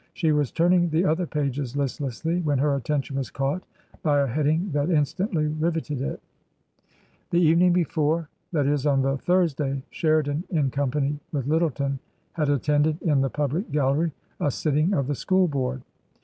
She was turning the other pages listlessly, when her attention was caught by a heading that instantly riveted it. ^^^^^^^^^^^^^^^^ The evening before, that is, on the Thursday, Sheri dan, in company with Lyttleton, had attended in the Public Gallery a sitting of the School Board.